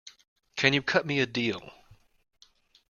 Can you cut me a deal?